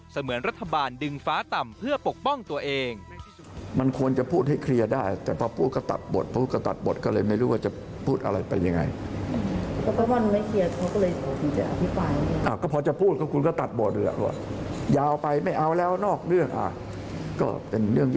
เสมือนรัฐบาลดึงฟ้าต่ำเพื่อปกป้องตัวเอง